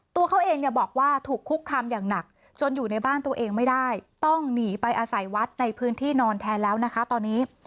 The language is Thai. ตัวเขาเองเนี่ยบอกว่าถูกคุกคามอย่างหนักจนอยู่ในบ้านตัวเองไม่ได้ต้องหนีไปอาศัยวัดในพื้นที่นอนแทนแล้วนะคะตอนนี้